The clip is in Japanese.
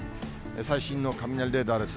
最新の雷レーダーです。